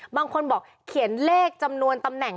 บางคนบอกเขียนเลขจำนวนตำแหน่ง